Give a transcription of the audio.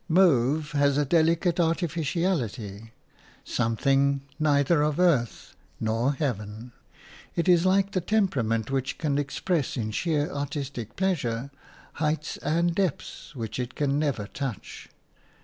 Mauve has a delicate artificiality, something neither of earth nor heaven. It is like the temperament which can express in sheer artistic pleasure heights and depths which it can never touch.